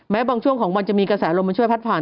บางช่วงของมันจะมีกระแสลมมาช่วยพัดผ่าน